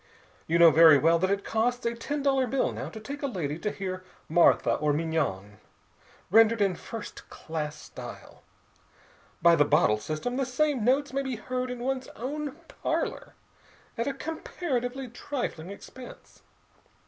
You know very well that it costs a ten dollar bill now to take a lady to hear Martha or Mignon, rendered in first class style. By the bottle system, the same notes may be heard in one's own parlor at a comparatively trifling expense.